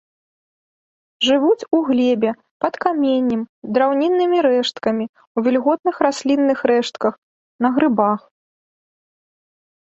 Жывуць у глебе, пад каменнем, драўніннымі рэшткамі, у вільготных раслінных рэштках, на грыбах.